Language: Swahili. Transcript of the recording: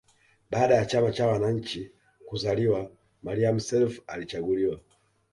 Baada ya chama cha wananchi kuzaliwa Maalim Self alichaguliwa